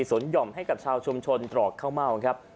สนหย่อมให้กับชาวชุมชนตรอกข้าวเม่าครับ